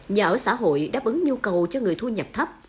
nhà ở xã hội đáp ứng nhu cầu cho người thu nhập thấp